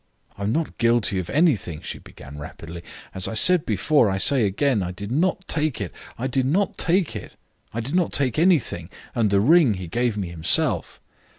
"I am not guilty of anything," she began rapidly. "As I said before I say again, I did not take it I did not take it; I did not take anything, and the ring he gave me himself."